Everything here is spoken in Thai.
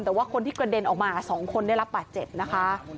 แต่ว่าคนที่กระเด็นออกมา๒คนได้รับบาดเจ็บนะคะ